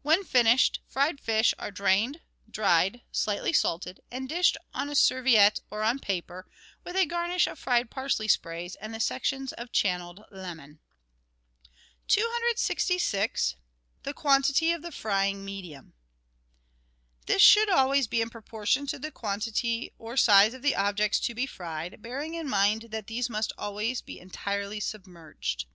When finished, fried fish are drained, dried, slightly salted, and dished on a serviette or on paper, with a garnish of fried parsley sprays and sections of channelled lemon. 266— THE QUANTITY OF THE FRYING MEDIUM This should always be in proportion to the quantity or size LEADING CULINARY OPERATIONS 127 of the objects to be fried, bearing in mind that these must always be entirely submerged.